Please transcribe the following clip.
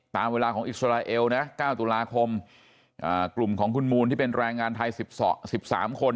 ตามเวลาของอิสราเอลนะ๙ตุลาคมกลุ่มของคุณมูลที่เป็นแรงงานไทย๑๓คน